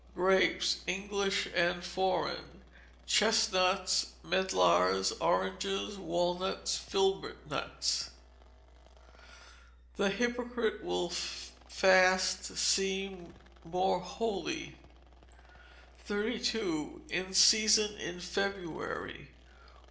Grapes: English and foreign. Chestnuts, medlars, oranges, walnuts, filbert nuts. [THE HYPOCRITE WILL FAST SEEM MORE HOLY.] 32. In Season in February.